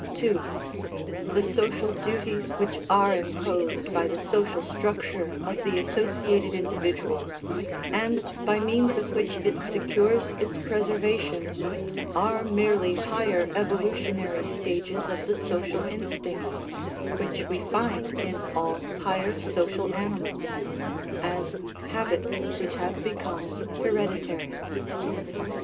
(2) The social duties which are imposed by the social structure of the associated individuals, and by means of w r hich it secures its preservation, are merely higher evolutionary stages of the social instincts, which we find in all higher social animals (as " habits which have become hereditary